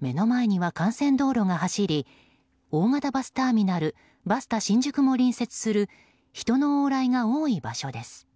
目の前には幹線道路が走り大型バスターミナルバスタ新宿も隣接する人の往来が多い場所です。